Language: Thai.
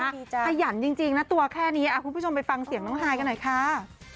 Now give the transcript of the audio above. ดีใจขยันจริงนะตัวแค่นี้คุณผู้ชมไปฟังเสียงน้องฮายกันหน่อยค่ะ